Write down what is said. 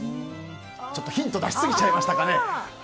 ヒント出しすぎちゃいましたかね。